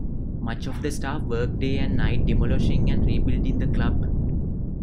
Much of the staff worked day and night demolishing and rebuilding the club.